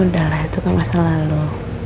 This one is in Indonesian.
udah lah itu ke masa lalu